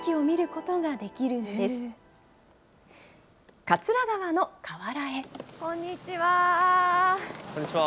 こんにちは。